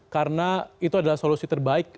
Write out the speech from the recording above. karena itu adalah solusi terbaik